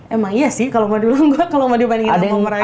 emang iya sih kalau mau dulu enggak kalau mau dibandingin sama mereka